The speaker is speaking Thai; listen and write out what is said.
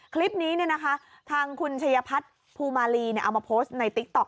คลิปนี้ทางคุณชัยพัฒน์ภูมาลีเอามาโพสต์ในติ๊กต๊อ